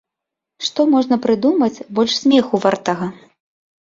Што можна прыдумаць больш смеху вартага?!